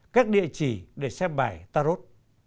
các địa chỉ để xem bài tarot